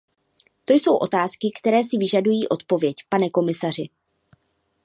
To jsou otázky, které si vyžadují odpověď, pane komisaři.